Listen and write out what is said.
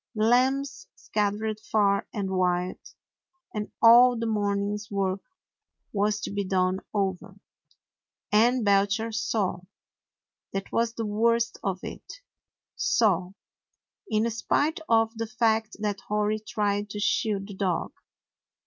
The lambs scattered far and wide, and all the morning's work was to be done over. And Belcher *saw. That was the worst of it; saw, in spite of the fact that Hori tried to shield the dog.